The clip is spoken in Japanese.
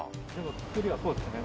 造りはそうですね。